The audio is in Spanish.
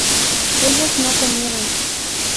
ellas no comieron